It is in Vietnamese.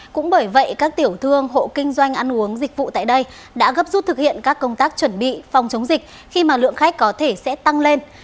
cũng bởi vậy các tiểu thương hộ kinh doanh ăn uống dịch vụ tại đây đã gấp rút thực hiện các công tác chuẩn bị phòng chống dịch khi mà lượng khách có thể sẽ tăng lên